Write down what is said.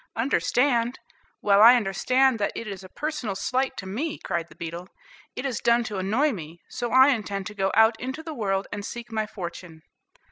"Understand! Well, I understand that it is a personal slight to me," cried the beetle. "It is done to annoy me, so I intend to go out into the world and seek my fortune."